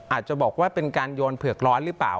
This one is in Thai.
อาจจะบอกว่าเป็นการโยนเผือกร้อนหรือเปล่า